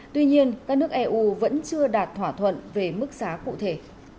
tuy nhiên các nước eu vẫn chưa đạt thỏa thuận về mức giá cụ thể